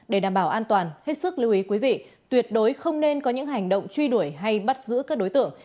để đảm bảo an toàn hết sức lưu ý quý vị tuyệt đối không nên có những hành động truy đuổi hay bắt giữ các đối tượng